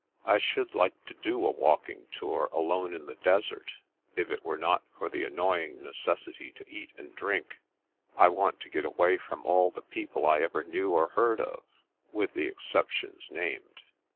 I should like to do a walking tour alone in the desert, if it were not for the annoy ing necessity to eat and drink. I want to get away from all the people I ever knew or heard of — ^with the exceptions named."